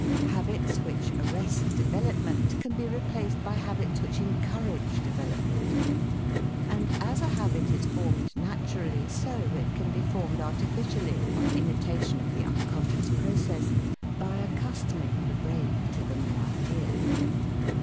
Habits which arrest development can be replaced by habits which encourage development. And as a habit is formed naturally, so it can be formed artificially, by imitation of the unconscious process, by accustoming the brain to the new idea.